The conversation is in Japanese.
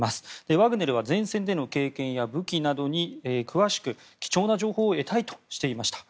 ワグネルは前線での経験や武器などに詳しく貴重な情報を得たいとしていました。